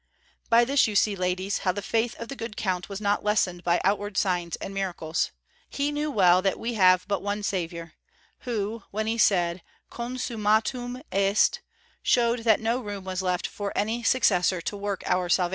"By this you see, ladies, how the faith of the good Count was not lessened by outward signs and miracles. He well knew that we have but one Saviour, who, when He said 'Consummatum est,' (5) showed that no room was left for any successor to work our salvation."